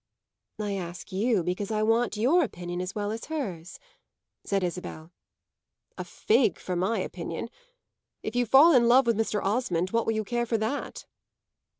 "I ask you because I want your opinion as well as hers," said Isabel. "A fig for my opinion! If you fall in love with Mr. Osmond what will you care for that?"